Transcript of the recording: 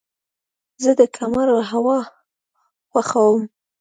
زه د کمرو هوا خوښوم.